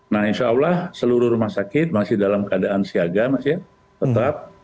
nah insya allah seluruh rumah sakit masih dalam keadaan siaga mas ya tetap